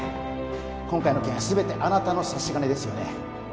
今回の件全てあなたの差し金ですよね？